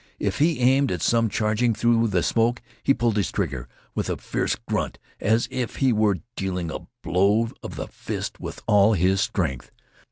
If he aimed at some changing form through the smoke, he pulled his trigger with a fierce grunt, as if he were dealing a blow of the fist with all his strength.